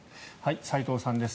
齋藤さんです。